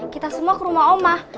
kita semua ke rumah omah